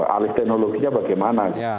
alif teknologinya bagaimana